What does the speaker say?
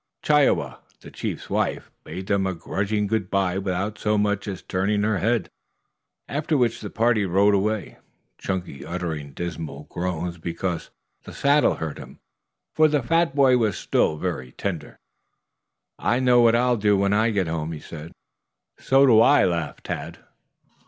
Chi i wa, the chief's wife, bade them a grudging good bye without so much as turning her head, after which the party rode away, Chunky uttering dismal groans because the saddle hurt him, for the fat boy was still very tender. "I know what I'll do when I get home," he said. "So do I," laughed Tad.